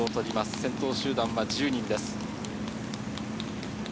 先頭集団は１０人です。